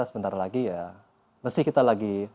sebentar lagi ya mesti kita lagi